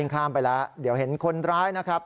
ข้ามไปแล้วเดี๋ยวเห็นคนร้ายนะครับ